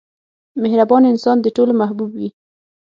• مهربان انسان د ټولو محبوب وي.